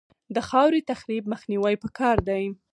د خاورې تخریب مخنیوی پکار دی